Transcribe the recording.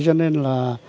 cho nên là